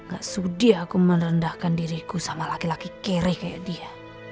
gak sudi aku merendahkan diriku sama laki laki kere kayak dia